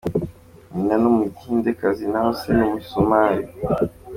Nyina ni umuhindekazi naho se ni umusomali.